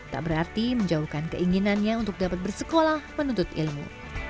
tak berarti menjauhkan keinginannya untuk dapat bersekolah menuntut ilmu